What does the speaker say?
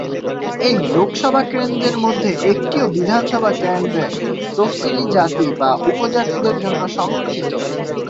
এই লোকসভা কেন্দ্রের মধ্যে একটিও বিধানসভা কেন্দ্র তফসিলী জাতি বা উপজাতিদের জন্য সংরক্ষিত।